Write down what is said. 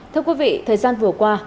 thưa quý vị thời gian vừa qua